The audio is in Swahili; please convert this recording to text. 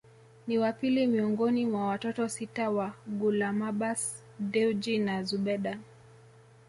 Ni wa pili miongoni mwa watoto sita wa Gulamabbas Dewji na Zubeda